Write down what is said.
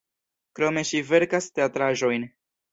Krome ŝi verkas teatraĵojn.